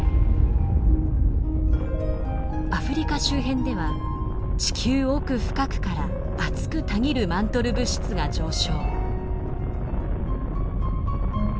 アフリカ周辺では地球奥深くから熱くたぎるマントル物質が上昇。